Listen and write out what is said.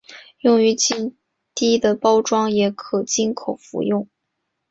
用于静滴的包装也可经口服用。